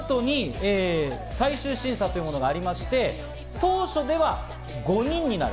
この後に最終審査というものがありまして、当初では５人になる。